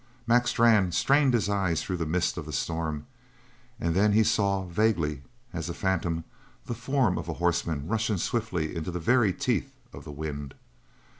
Mac Strann strained his eyes through the mist of the storm and then he saw, vaguely as a phantom, the form of a horseman rushing swiftly into the very teeth of the wind.